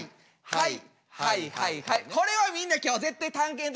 はい。